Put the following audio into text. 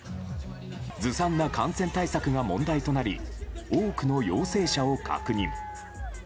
ずさんな感染対策が問題となり多くの陽性者を確認。